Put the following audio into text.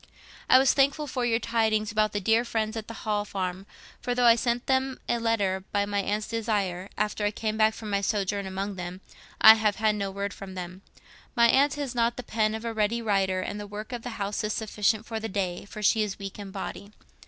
"I was thankful for your tidings about the dear friends at the Hall Farm, for though I sent them a letter, by my aunt's desire, after I came back from my sojourn among them, I have had no word from them. My aunt has not the pen of a ready writer, and the work of the house is sufficient for the day, for she is weak in body.